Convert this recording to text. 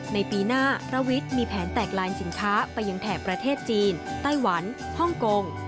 ในปีหน้าระวิทย์มีแผนแตกลายสินค้าไปยังแถบประเทศจีนไต้หวันฮ่องกง